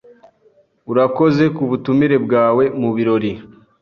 Urakoze kubutumire bwawe mubirori.